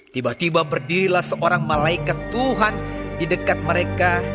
tiba tiba berdirilah seorang malaikat tuhan di dekat mereka